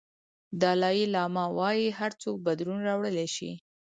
دالای لاما وایي هر څوک بدلون راوړلی شي.